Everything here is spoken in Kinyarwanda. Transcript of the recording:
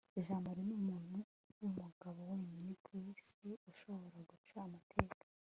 jamali numuntu wumugabo wenyine kwisi ushobora guca amateka